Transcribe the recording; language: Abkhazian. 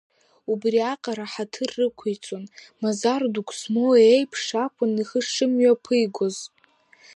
Убри аҟара ҳаҭыр рықәиҵон, мазара дук змоу иеиԥш акәын ихы шымҩаԥигоз.